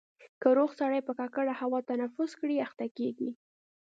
که روغ سړی په ککړه هوا تنفس کړي اخته کېږي.